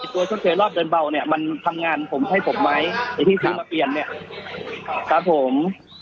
ชดเชยรอบเดินเบาเนี่ยมันทำงานผมให้ผมไหมไอ้ที่ซื้อมาเปลี่ยนเนี่ยครับผม